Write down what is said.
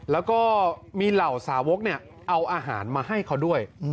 แล้วก็มีเหล่าสาวกเอาอาหารมาให้เขาด้วย